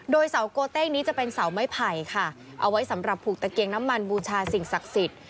โดยเสาโกเต้งนี้จะเป็นเสาไม้ไผ่ค่ะเอาไว้สำหรับผูกตะเกียงน้ำมันบูชาสิ่งศักดิ์สิทธิ์